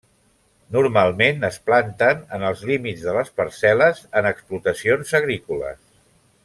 Normalment es planten en els límits de les parcel·les en explotacions agrícoles.